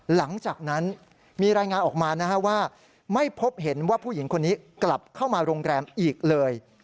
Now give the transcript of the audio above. หลังจากนั้นมีรายงานออกมานะฮะว่าไม่พบเห็นว่าผู้หญิงคนนี้กลับเข้ามาโรงแรมอีกเลย